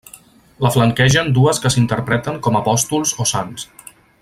La flanquegen dues que s'interpreten com a apòstols o sants.